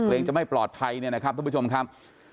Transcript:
จะไม่ปลอดภัยเนี่ยนะครับท่านผู้ชมครับ